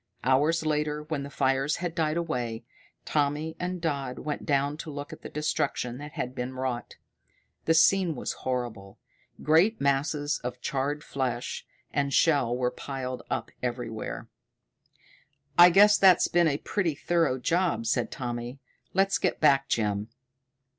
Hours later, when the fires had died away, Tommy and Dodd went down to look at the destruction that had been wrought. The scene was horrible. Great masses of charred flesh and shell were piled up everywhere. "I guess that's been a pretty thorough job," said Tommy. "Let's get back, Jim."